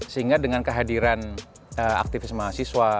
sehingga dengan kehadiran aktivis mahasiswa